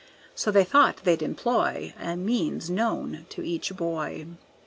So they thought they'd employ A means known to each boy.